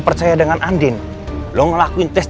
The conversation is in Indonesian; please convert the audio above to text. percaya dengan andien lu ngelakuin tes dna